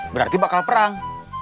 berarti bakal perang